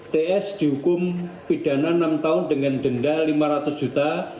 ts dihukum pidana enam tahun dengan denda lima ratus juta